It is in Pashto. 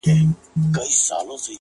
هم په زور او هم په ظلم آزمېیلي!!